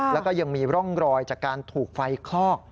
แล้วก็ยังมีร่องรอยจากการถูกไฟคลอก